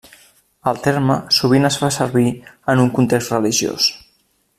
El terme sovint es fa servir en un context religiós.